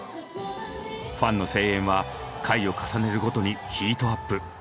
ファンの声援は回を重ねるごとにヒートアップ。